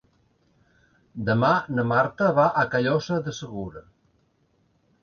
Demà na Marta va a Callosa de Segura.